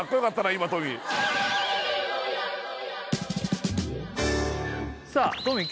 今トミーさあトミー